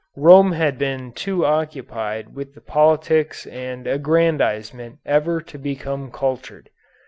Rome had been too occupied with politics and aggrandizement ever to become cultured.